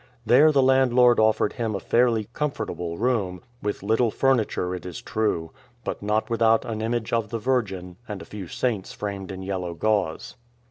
There, the landlord offered him a fairly comfortable room, with little furniture, it is true, but not without an image of the Virgin, and a few saints framed in yellow gauze.